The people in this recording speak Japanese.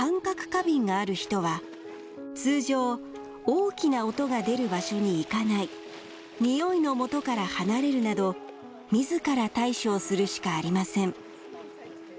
過敏がある人は通常、大きな音が出る場所に行かない臭いの元から離れるなど自ら対処するしかありません